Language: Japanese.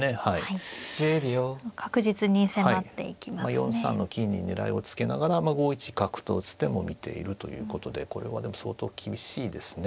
４三の金に狙いをつけながら５一角と打つ手も見ているということでこれはでも相当厳しいですね。